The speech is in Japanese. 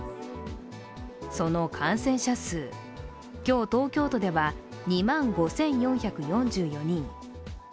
その感染者数、今日、東京都では２万５４４４人。